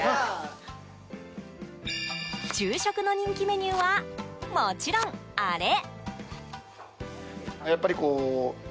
昼食の人気メニューはもちろん、あれ。